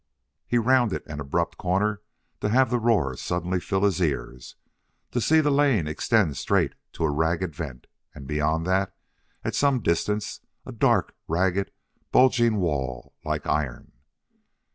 He rounded an abrupt corner to have the roar suddenly fill his ears, to see the lane extend straight to a ragged vent, and beyond that, at some distance, a dark, ragged, bulging wall, like iron.